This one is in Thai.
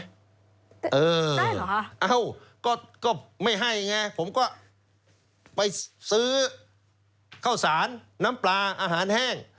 ได้เหรอคะเอ้าก็ไม่ให้ไงผมก็ไปซื้อข้าวสารน้ำปลาอาหารแห้ง